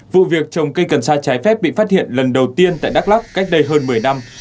vụ việc trồng cây cần sa trái phép bị phát hiện lần đầu tiên tại đắk lắc cách đây hơn một mươi năm